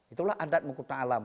itulah adat menghukum alam